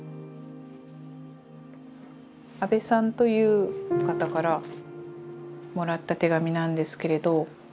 阿部さんという方からもらった手紙なんですけれど。